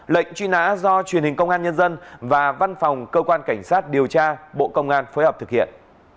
lệnh truy nã do truyền hình công an nhân dân và văn phòng cơ quan cảnh sát điều tra bộ công an phối hợp thực hiện